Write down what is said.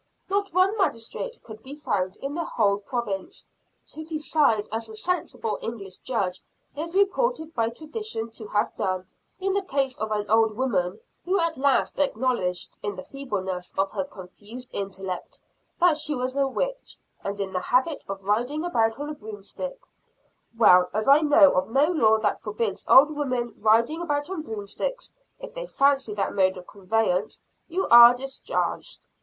Not one magistrate could be found in the whole province, to decide as a sensible English judge is reported by tradition to have done, in the case of an old woman who at last acknowledged in the feebleness of her confused intellect that she was a witch, and in the habit of riding about on a broomstick: "Well, as I know of no law that forbids old women riding about on broomsticks, if they fancy that mode of conveyance, you are discharged."